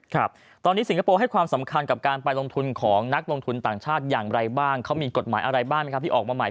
ครับตอนนี้สิงคโปร์ให้ความสำคัญกับการไปลงทุนของนักลงทุนต่างชาติอย่างไรบ้างเขามีกฎหมายอะไรบ้างไหมครับที่ออกมาใหม่